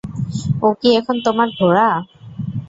ও কি এখন তোমার ঘোড়া?